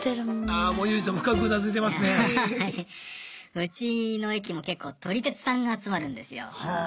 うちの駅もけっこう撮り鉄さんが集まるんですよ。